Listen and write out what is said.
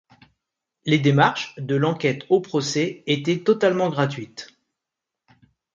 Les démarches, de l'enquête au procès, étaient totalement gratuites.